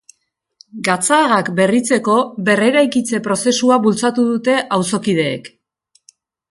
Gatzagak berritzeko berreraikitze prozesua bultzatu dute auzokideek.